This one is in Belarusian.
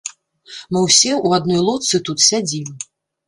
Мы ўсе ў адной лодцы тут сядзім.